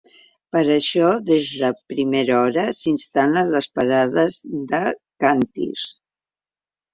Per això, des de primera hora, s’instal·len les parades de càntirs.